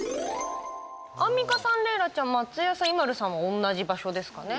アンミカさん、レイラちゃん松也さん、ＩＭＡＬＵさんも同じ場所ですかね。